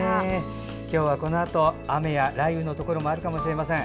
今日はこのあと雨や雷雨のところがあるかもしれません。